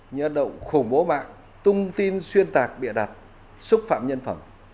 như là động khủng bố mạng tung tin xuyên tạc bịa đặt xúc phạm nhân phẩm